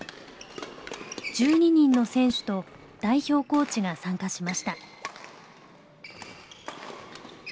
１２人の選手と代表コーチが参加しました。